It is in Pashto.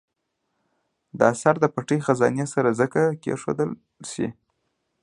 دا اثر د پټې خزانې سره ځکه کېښودل شي.